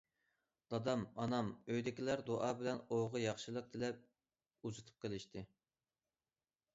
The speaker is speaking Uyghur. دادام، ئانام ئۆيدىكىلەر دۇئا بىلەن ئوۋغا ياخشىلىق تىلەپ ئۇزىتىپ قېلىشتى.